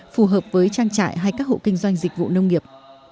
phù hợp với trang trại hay các hộ kinh doanh dịch vụ nông nghiệp